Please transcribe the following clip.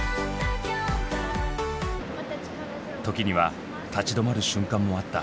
時には立ち止まる瞬間もあった。